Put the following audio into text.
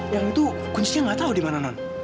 yang itu kuncinya gak tau di mana non